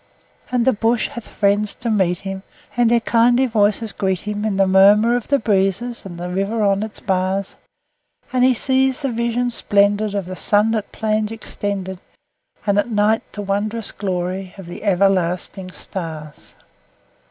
And the bush hath friends to meet him, and their kindly voices greet him In the murmur of the breezes and the river on its bars, And he sees the vision splendid of the sunlit plains extended, And at night the wond'rous glory of the everlasting stars.